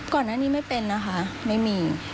ก่อนหน้านี้ไม่เป็นนะคะไม่มี